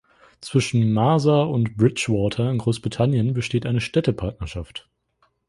Zwischen Marsa und Bridgwater in Großbritannien besteht eine Städtepartnerschaft.